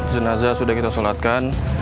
jenazah sudah kita sholatkan